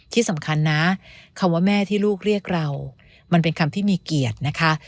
ที่สำคัญนะคำว่าแม่ที่ลูกเรียกเรามันเป็นคำที่มีเกียรตินะคะ